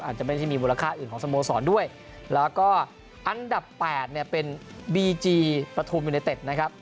อาจจะไม่ได้มีมูลค่าอื่นของสโมสรด้วยแล้วก็อันดับ๘เนี่ยเป็นบีจีปฐุมยูเนเต็ดนะครับ